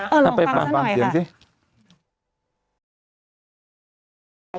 เออตามเสียงสีที่มา